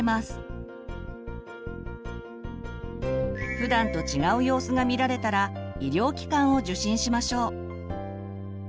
普段と違う様子が見られたら医療機関を受診しましょう。